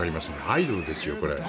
アイドルですよ。